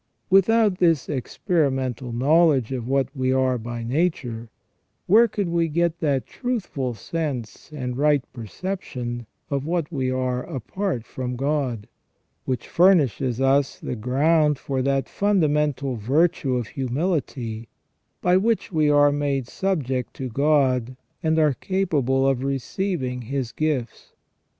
Without this experimental knowledge of what we are by nature, where could we get that truthful sense and right perception of what we are apart from God, which furnishes us the ground for that fundamental virtue of humility, by which we are made subject to God, and are capable of receiving His gifts